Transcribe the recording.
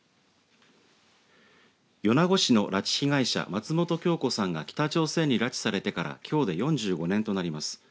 米子市の拉致被害者松本京子さんが北朝鮮に拉致されてからきょうで４５年となります。